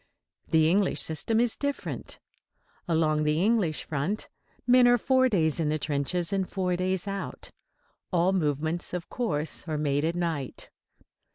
The English system is different. Along the English front men are four days in the trenches and four days out. All movements, of course, are made at night.